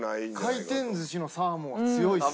回転寿司のサーモンは強いですね。